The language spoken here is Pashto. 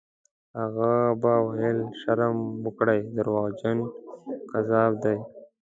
هغه به ویل: «شرم وکړئ! دروغجن، کذاب دی».